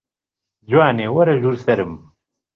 جوانێ وەرە ژوور سەرم